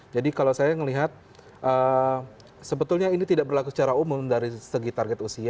jadi kalau saya melihat sebetulnya ini tidak berlaku secara umum dari segi target usia